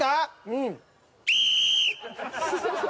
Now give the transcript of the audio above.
うん。